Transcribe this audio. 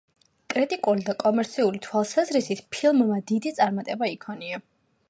კრიტიკული და კომერციული თვალსაზრისით, ფილმმა დიდი წარმატება იქონია.